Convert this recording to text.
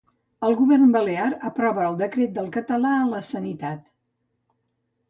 El govern balear aprova el decret del català a la sanitat.